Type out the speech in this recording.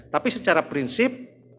tapi secara prinsip